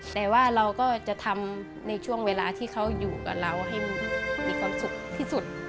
แต่ว่าเราก็จะทำในช่วงเวลาที่เขาอยู่กับเราให้มีความสุขที่สุด